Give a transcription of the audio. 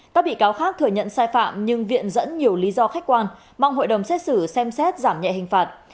các bị cáo khác thừa nhận sai phạm nhưng viện dẫn nhiều lý do khách quan mong hội đồng xét xử xem xét giảm nhẹ hình phạt